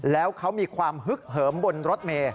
แล้วเขามีความฮึกเหิมบนรถเมย์